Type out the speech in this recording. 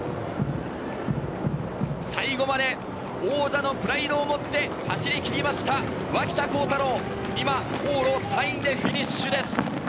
最後まで王者のプライドを持って走りきりました、脇田幸太朗、今、往路３位でフィニッシュです。